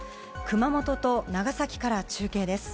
熊本と長崎から中継です。